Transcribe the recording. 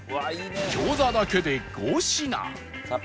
餃子だけで５品